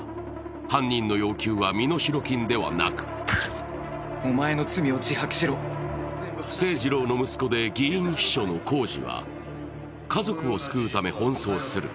犯人の要求は身代金ではなく誠二郎の息子で議員秘書の晄司は家族を救うため奔走する。